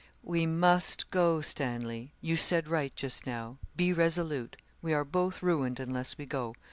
'We must go, Stanley. You said right just now; be resolute we are both ruined unless we go.